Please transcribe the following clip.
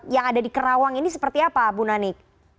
yang ada di kerawang ini seperti apa bu nani